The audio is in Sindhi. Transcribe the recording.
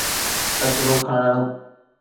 ڪچرو کڻڻ.